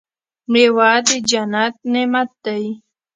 میوه د جنت نعمت دی.